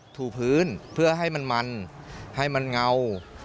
ถูพื้นเพื่อให้มันมันให้มันเงา